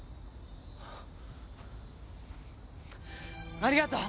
ありがとう！